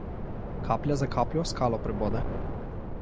Kaplja za kapljo skalo prebode.